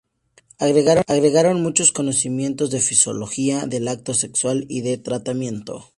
Agregaron muchos conocimientos de fisiología del acto sexual y de tratamiento.